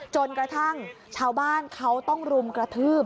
จนกระทั่งชาวบ้านเขาต้องรุมกระทืบ